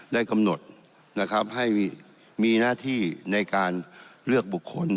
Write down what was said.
ได้กำหนดนะครับให้มีหน้าที่ในการเลือกบุคคล